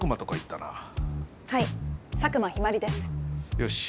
よし！